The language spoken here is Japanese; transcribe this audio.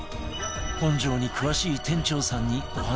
本庄に詳しい店長さんにお話を伺うと